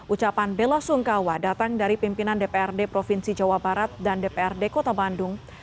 ucapan bela sungkawa datang dari pimpinan dprd provinsi jawa barat dan dprd kota bandung